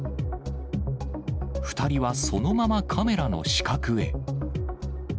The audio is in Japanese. ２人はそのままカメラの死角へ。